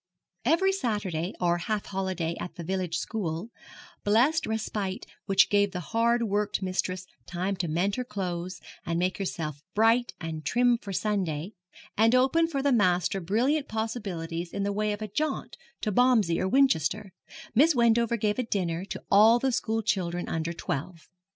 Every Saturday or half holiday at the village school blessed respite which gave the hard worked mistress time to mend her clothes, and make herself bright and trim for Sunday, and opened for the master brilliant possibilities in the way of a jaunt to Bomsey or Winchester Miss Wendover gave a dinner to all the school children under twelve.